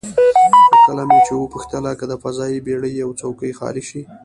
خو کله مو چې وپوښتله که د فضايي بېړۍ یوه څوکۍ خالي شي،